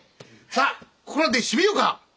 さあここらで締めようか。